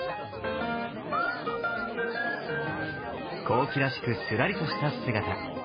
後期らしくスラリとした姿。